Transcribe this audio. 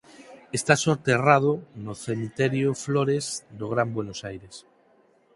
Está soterrado no cemiterio Flores do Gran Buenos Aires.